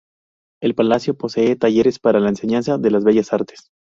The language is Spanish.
El palacio posee talleres para la enseñanza de las bellas artes.